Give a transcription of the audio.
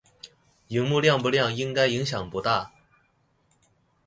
螢幕亮不亮影響應該不大